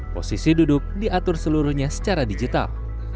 posisi duduk diatur seluruhnya secara digital